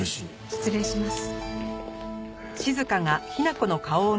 失礼します。